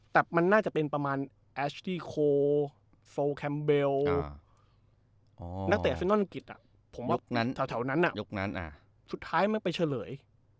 แต่มันน่าจะเป็นประมาณแอชดี้โคโฟลแคมเบลนักเตะเซนอนอังกฤษผมว่านั้นแถวนั้นยุคนั้นสุดท้ายมันไปเฉลย